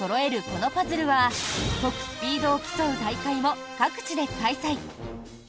このパズルは解くスピードを競う大会も各地で開催。